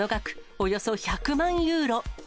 およそ１００万ユーロ。